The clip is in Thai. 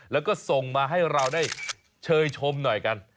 แล้วก็ส่งมาให้เราได้เชยชมหน่อยกัน